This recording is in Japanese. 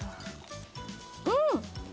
うん！